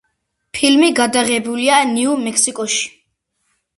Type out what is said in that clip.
ფილმი გადაღებულია ნიუ-მექსიკოში.